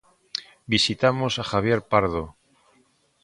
Visitamos a Javier Pardo.